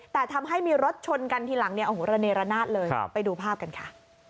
แต่ทำให้มีรถชนกันทีหลังเนี่ยโอ้โหระเนรนาศเลยไปดูภาพกันค่ะ